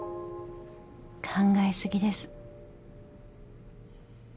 考え過ぎです。